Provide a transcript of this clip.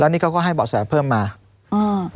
แล้วนี่เขาก็ให้บอกแสงเพิ่มมาอืม